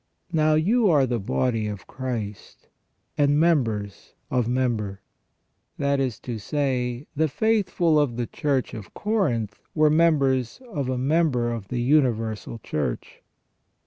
Now you are the body of Christ, and members of member." That is to say, the faithful of the Church of Corinth were members of a member of the universal Church.